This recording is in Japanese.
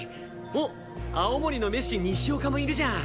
おっ青森のメッシ西岡もいるじゃん。